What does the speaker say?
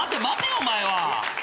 待てお前は！